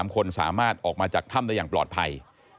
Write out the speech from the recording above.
๓คนสามารถออกมาจากถ้ำได้อย่างปลอดภัย